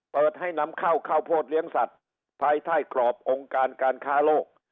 เปิดให้นำเข้าข้าวโพดเลี้ยงสัตว์ภายใต้กรอบองค์การการค้าโลก